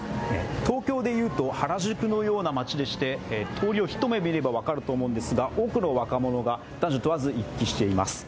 東京でいうと原宿のような街でして通りを一目見れば分かると思うんですが、多くの若者が男女を問わず見られます。